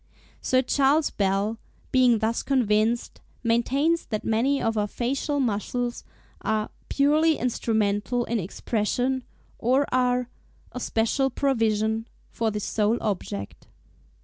Sir C. Bell, being thus convinced, maintains that many of our facial muscles are "purely instrumental in expression;" or are "a special provision" for this sole object.